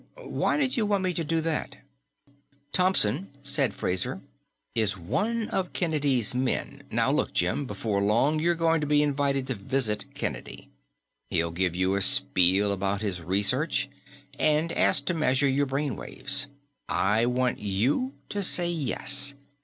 Why did you want me to do that?" "Thomson," said Fraser, "is one of Kennedy's men. Now look, Jim, before long you're going to be invited to visit Kennedy. He'll give you a spiel about his research and ask to measure your brain waves. I want you to say yes.